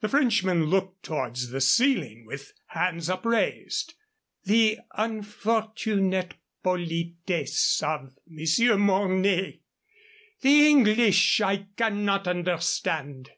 The Frenchman looked towards the ceiling with hands upraised. "The unfortunate politesse of Monsieur Mornay! The English I cannot understand."